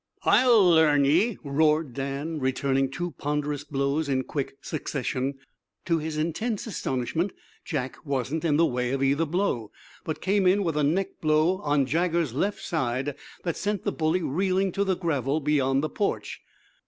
"I'll learn ye!" roared Dan, returning two ponderous blows in quick succession. To his intense astonishment Jack wasn't in the way of either blow, but came in with a neck blow on Jaggers's left side that sent the bully reeling to the gravel beyond the porch.